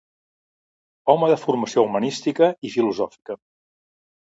Home de formació humanística i filosòfica.